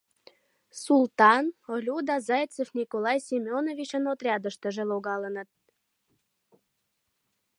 Султан, Олю да Зайцев Николай Семёновичын отрядыштыже логалыныт.